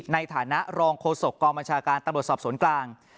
ในฐานะรองโฆษกองบัญชาการตำรวจสอบสวนกลาง